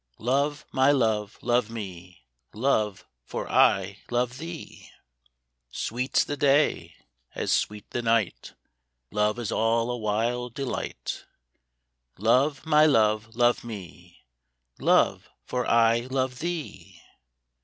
" Love, my love, love me, Love, for I love thee !" Sweet's the day, as sweet the night, Life is all a wild delight :" Love, my love, love me, Love, for I love thee